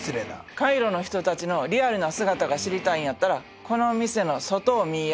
カイロの人たちのリアルな姿が知りたいんやったらこの店の外を見いや。